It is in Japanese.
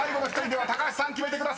では高橋さん決めてください］